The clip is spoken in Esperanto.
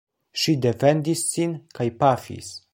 Ŝi defendis sin kaj pafis.